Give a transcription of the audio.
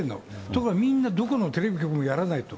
ところがみんな、どこのテレビ局もやらないと。